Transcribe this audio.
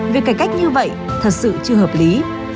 việc cải cách như vậy thật sự chưa hợp lý